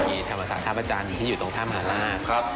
มีธรรมศาสตร์ธรรมจันทร์ที่อยู่ตรงถ้ามหลาก